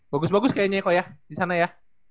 bagus bagus kayaknya kok ya di sana ya